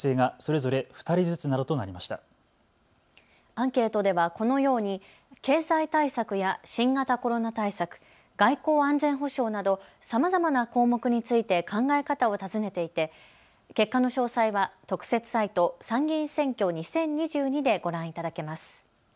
アンケートではこのように経済対策や新型コロナ対策、外交・安全保障などさまざまな項目について考え方を尋ねていて結果の詳細は特設サイト、参議院選挙２０２２でご覧いただけます。